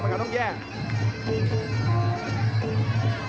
โอ้ถึงแก้สถานการณ์ด้วยการเลี้ยงบลงในครับ